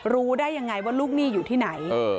รู้ได้ยังไงว่าลูกหนี้อยู่ที่ไหน